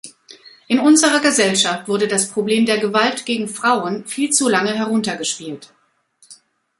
In unserer Gesellschaft wurde das Problem der Gewalt gegen Frauen viel zu lange heruntergespielt.